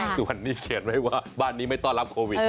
ส่วนนี้เขียนไว้ว่าบ้านนี้ไม่ต้อนรับโควิด